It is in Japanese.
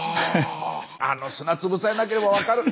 あの砂粒さえなければ分かる。